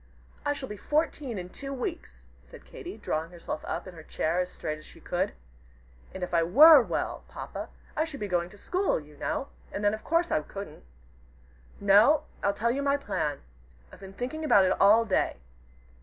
"I shall be fourteen in two weeks," said Katy, drawing herself up in her chair as straight as she could. "And if I were well, Papa, I should be going to school, you know, and then of course I couldn't. No, I'll tell you my plan. I've been thinking about it all day.